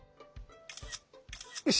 よし。